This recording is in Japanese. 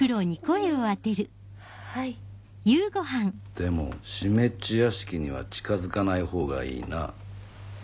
でも湿っ地屋敷には近づかないほうがいいな。